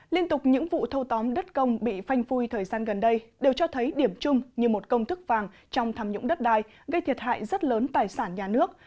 liên tục những vụ thâu tóm đất công bị phanh phui thời gian gần đây đều cho thấy điểm chung như một công thức vàng trong tham nhũng đất đai gây thiệt hại rất lớn tài sản nhà nước